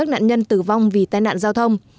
nhân tử vong vì tai nạn giao thông